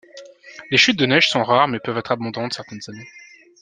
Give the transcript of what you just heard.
Les chutes de neige sont rares mais peuvent être abondantes certaines années.